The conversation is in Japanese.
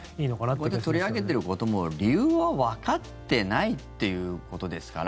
こうやって取り上げてることも理由は、わかってないっていうことですから。